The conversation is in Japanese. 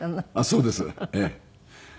そうですええ。